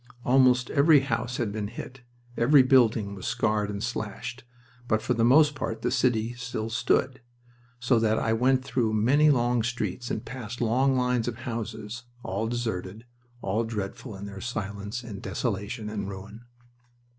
Almost every house had been hit, every building was scarred and slashed, but for the most part the city still stood, so that I went through many long streets and passed long lines of houses, all deserted, all dreadful in their silence and desolation and ruin.